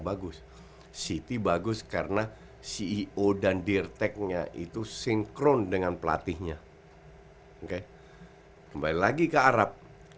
bagus city bagus karena ceo dan dirteknya itu sinkron dengan pelatihnya oke kembali lagi ke arab